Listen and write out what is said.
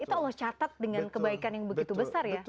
kita allah catat dengan kebaikan yang begitu besar ya